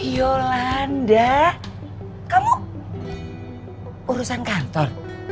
yolanda kamu urusan kantor